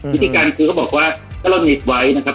วิธีการคือเขาบอกว่าถ้าเราหยิบไว้นะครับ